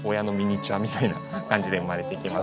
みたいな感じで生まれてきます。